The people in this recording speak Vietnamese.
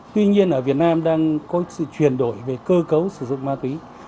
tuy nhiên ở việt nam đang có sự chuyển đổi về cơ cấu sử dụng ma túy